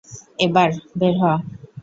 এবার, বের হ।